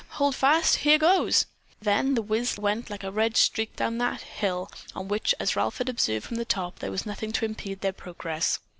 Hold fast! Here goes!" Then The Whizz went like a red streak down that hill on which, as Ralph had observed from the top, there was nothing to impede their progress.